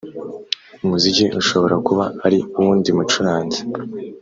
“umuziki ushobora kuba ari uw’undi mucuranzi